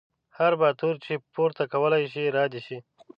هر باتور یې چې پورته کولی شي را دې شي.